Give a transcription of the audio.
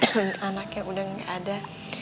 dan anaknya udah gak ada